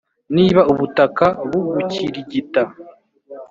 niba ubutaka bugukirigita